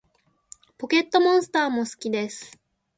ポケットモンスターも好きです